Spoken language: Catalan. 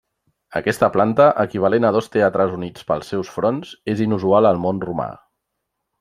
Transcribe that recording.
Aquesta planta, equivalent a dos teatres units pels seus fronts, és inusual al món romà.